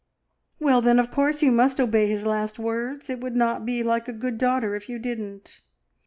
"Well, then, of course, you must obey his last words! It would not be like a good daughter if you didn't.